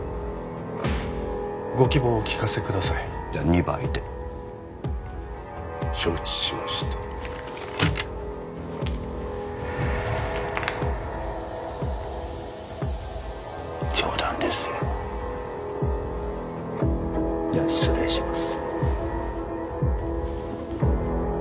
ご希望をお聞かせくださいじゃ２倍で承知しました冗談ですよじゃ失礼します